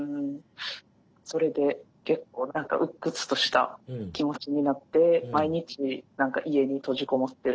それで結構何か鬱屈とした気持ちになって毎日家に閉じこもってる感じです。